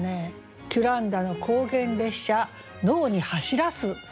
「キュランダの高原列車脳に走らす」。